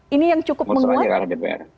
ini yang cukup menguat